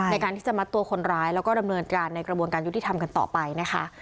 ในการที่จะมัดตัวคนร้ายแล้วก็ดำเนินอาการในกระบวนทำกันต่อไปนะคะ